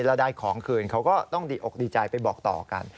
แล้วได้ของคืนเขาก็ต้องดีอกดีใจไปบอกต่อกัน